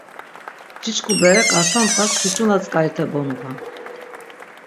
Çiçku bere k̆arta ndğas çuçuna tzk̆arite bonupan.